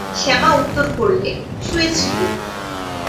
শ্যামা উত্তর করলে, শুয়েছিলুম।